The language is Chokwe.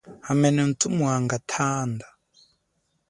Hamene muthu mwanga thanda.